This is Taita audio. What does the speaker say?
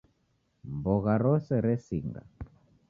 Mbogha rose resinga